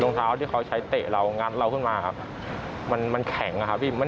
ลงเท้าที่เขาใช้ตะเรางัดเราขึ้นมาคับมันแข็งค่ะพี่